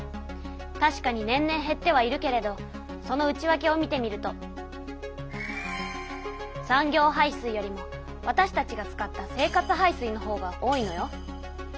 たしかに年々へってはいるけれどその内わけを見てみると産業排水よりもわたしたちが使った生活排水のほうが多いのよ。